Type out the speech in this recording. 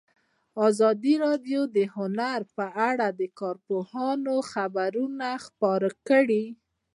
ازادي راډیو د هنر په اړه د کارپوهانو خبرې خپرې کړي.